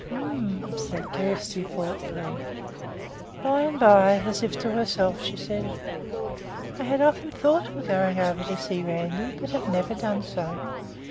"H'm," said Kjersti thoughtfully. By and by, as if to herself, she said: "I have often thought of going to see Randi, but have never done so.